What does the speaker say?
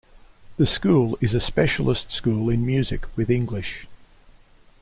The school is a specialist school in Music with English.